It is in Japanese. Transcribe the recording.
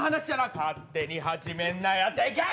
勝手に始めんなよ。って逆！